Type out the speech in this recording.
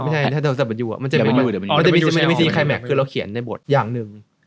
ไม่ใช่ถ้าเราจัดบัญญูอะมันจะไม่มีคลายแม็กค์คือเราเขียนในบทอย่างนึง